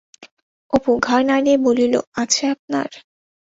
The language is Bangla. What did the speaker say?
অপু ঘাড় নাড়িয়া বলিল, আছে আপনার?